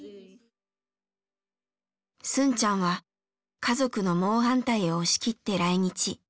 スンちゃんは家族の猛反対を押し切って来日。